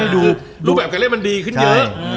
รูปแบบนี้มันดีขึ้นเยอะ